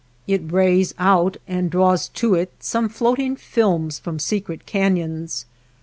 It rays out and draws to it some floating films from secret caiions.